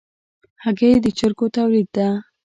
هګۍ د چرګو تولید ده.